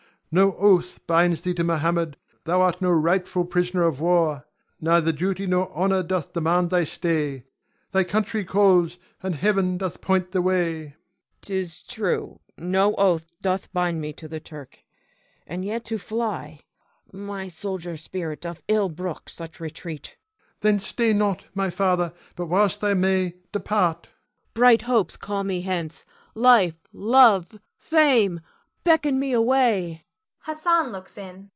No oath binds thee to Mohammed; thou art no rightful prisoner of war, neither duty nor honor doth demand thy stay. Thy country calls, and Heaven doth point the way. Cleon. 'Tis true; no oath doth bind me to the Turk, and yet to fly My soldier's spirit doth ill brook such retreat. Ion. Then stay not, my father, but whilst thou may, depart. Cleon. Bright hopes call me hence. Life, love, fame, beckon me away.